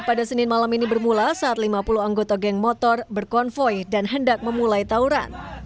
pada senin malam ini bermula saat lima puluh anggota geng motor berkonvoy dan hendak memulai tawuran